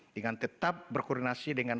dengan tetap berkoordinasi dengan